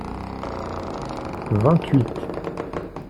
Vingt-huit.